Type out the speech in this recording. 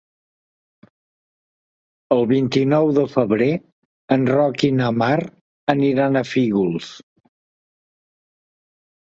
El vint-i-nou de febrer en Roc i na Mar aniran a Fígols.